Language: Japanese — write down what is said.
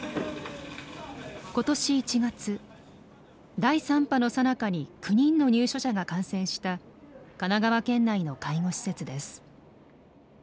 今年１月第３波のさなかに９人の入所者が感染した神奈川県内の介護施設です。